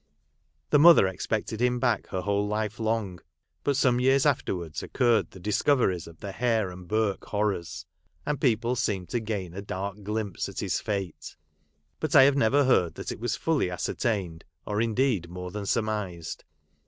The mother expected him back her whole life long ; but some years afterwards occurred the discoveries of the Hare and Burke horrors ; and people seemed to gain a dark glimpse at his fate ; but I never heard that it was fully ascertained, or indeed more than surmised.